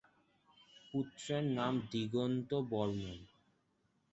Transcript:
পুত্রের নাম দিগন্ত বর্মন।